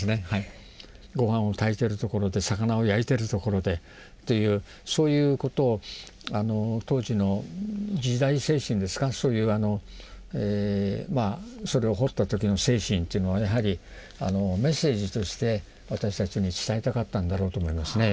ご飯を炊いてるところで魚を焼いてるところでというそういうことを当時の時代精神ですかそういうそれを彫った時の精神というのはやはりメッセージとして私たちに伝えたかったんだろうと思いますね。